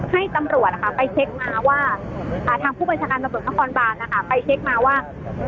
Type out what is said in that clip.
ให้ตำรวจไปเช็คมาว่าทางผู้บัญชาการตำรวจนครบานนะคะไปเช็คมาว่า